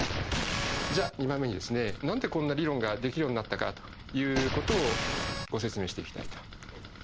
じゃあ２番目に何でこんな理論ができるようになったかということをご説明していきたいと思います。